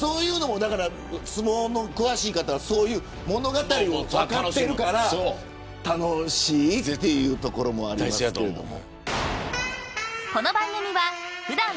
相撲の詳しい方はそういう物語を分かっているから楽しいというところもありますけれども。